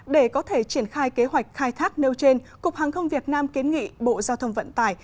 để có thể triển khai kế hoạch khai thác nêu trên cục hàng không việt nam kiến nghị bộ giao thông vận tải